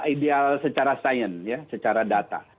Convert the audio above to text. ideal secara sains ya secara data